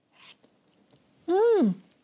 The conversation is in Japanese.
うん！